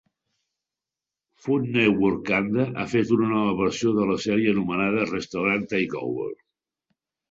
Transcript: Food Network Canda ha fet una nova versió de la sèrie, anomenada 'Restaurant Takeover'.